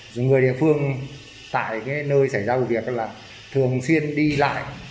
những người địa phương tại nơi xảy ra vụ việc là thường xuyên đi lại